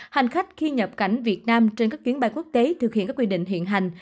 hành khách khi nhập cảnh việt nam trên các chuyến bay quốc tế thực hiện các quy định hiện hành